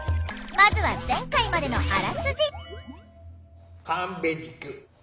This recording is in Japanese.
まずは前回までのあらすじ。